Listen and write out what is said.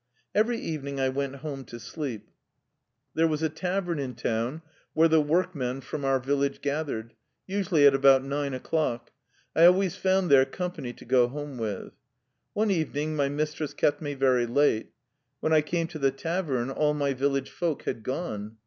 Every evening I went home to sleep. There 19 THE LIFE STORY OF A RUSSIAN EXILE was a tavern in town where the workmen from our village gathered, usually at about nine o'clock. I always found there company to go home with. One evening my mistress kept me very late. When I came to the tavern, all my village folk had gone.